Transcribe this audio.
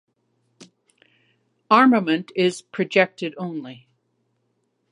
Armament is projected only.